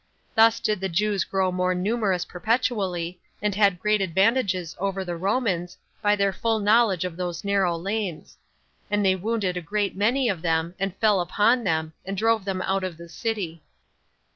Thus did the Jews grow more numerous perpetually, and had great advantages over the Romans, by their full knowledge of those narrow lanes; and they wounded a great many of them, and fell upon them, and drove them out of the city.